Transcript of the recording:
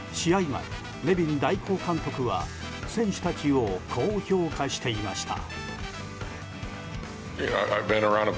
前、ネビン代行監督は選手たちをこう評価していました。